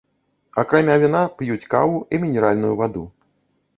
Акрамя віна п'юць каву і мінеральную ваду.